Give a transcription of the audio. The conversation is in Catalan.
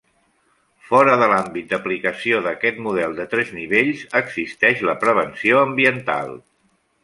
Fora de l'àmbit d'aplicació d'aquest model de tres nivells existeix la prevenció ambiental.